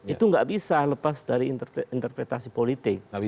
itu nggak bisa lepas dari interpretasi politik